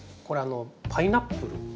これパイナップル。